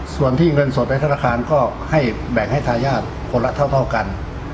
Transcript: ส่วนที่เงินสดในธนาคารก็ให้แบ่งให้ทายาทคนละเท่ากัน